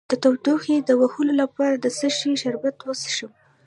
د تودوخې د وهلو لپاره د څه شي شربت وڅښم؟